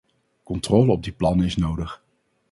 Controle op die plannen is nodig.